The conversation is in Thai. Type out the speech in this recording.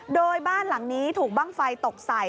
โดยบ้านหลังนี้ถูกบ้างไฟตกใส่